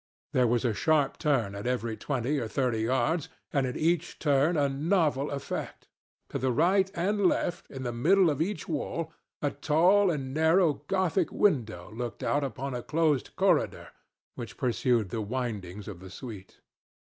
There was a sharp turn at every twenty or thirty yards, and at each turn a novel effect. To the right and left, in the middle of each wall, a tall and narrow Gothic window looked out upon a closed corridor which pursued the windings of the suite.